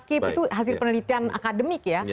keep itu hasil penelitian akademik ya